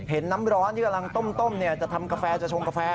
น้ำร้อนที่กำลังต้มจะทำกาแฟจะชงกาแฟ